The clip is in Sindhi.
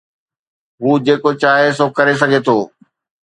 هو جيڪو چاهي سو ڪري سگهي ٿو.